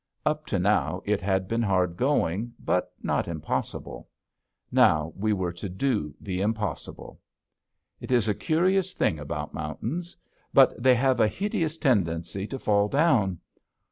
Up to now it had been hard going, but not impossible. Now we were to do the impossible. It is a curious thing about mountains, but they have a hideous tendency to fall down.